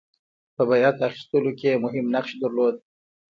په بیعت اخیستلو کې مهم نقش درلود.